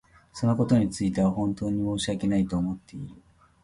そのことについては本当に申し訳ないと思っている。